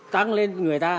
tăng lên người ta